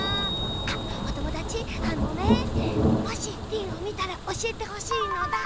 あっおともだちあのねもしリンをみたらおしえてほしいのだ。